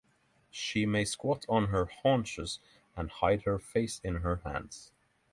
She may squat on her haunches and hide her face in her hands.